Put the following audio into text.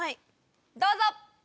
どうぞ！